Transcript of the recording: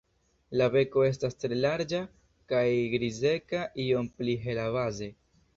La beko estas tre larĝa kaj grizeca, iom pli hela baze.